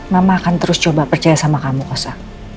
mama akan terus coba percaya sama kamu kosa